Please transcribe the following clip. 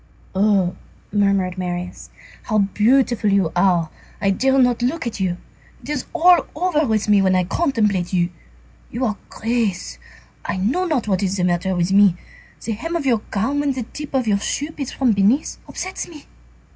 "Oh!" murmured Marius, "how beautiful you are! I dare not look at you. It is all over with me when I contemplate you. You are a grace. I know not what is the matter with me. The hem of your gown, when the tip of your shoe peeps from beneath, upsets me.